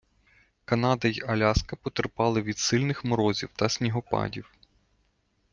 Канада й Аляска потерпали від сильних морозів та снігопадів.